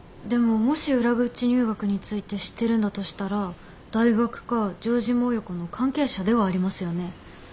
でももし裏口入学について知ってるんだとしたら大学か城島親子の関係者ではありますよね。